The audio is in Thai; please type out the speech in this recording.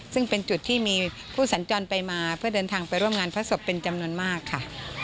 ซึ่งเป็นจุดที่มีผู้สัญจรไปมาเพื่อเดินทางไปร่วมงานพระศพเป็นจำนวนมากค่ะ